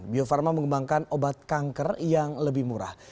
bio farma mengembangkan obat kanker yang lebih murah